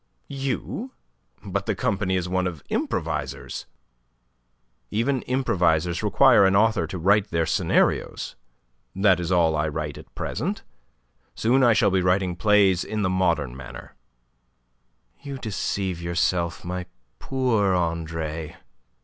"You? But the company is one of the improvisers." "Even improvisers require an author to write their scenarios. That is all I write at present. Soon I shall be writing plays in the modern manner." "You deceive yourself, my poor Andre.